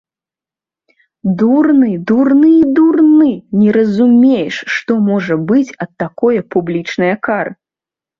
Дурны, дурны і дурны, не разумееш, што можа быць ад такое публічнае кары.